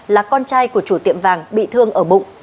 là con trai của chủ tiệm vàng bị thương ở bụng